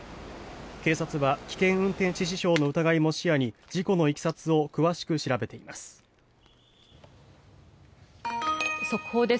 警察は危険運転致死傷の疑いも視野に事故のいきさつを詳しく調べています。